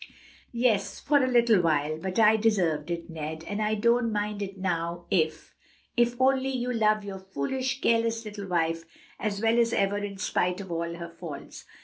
"Yes, for a little while; but I deserved it, Ned, and I don't mind it now if if only you love your foolish, careless little wife as well as ever in spite of all her faults."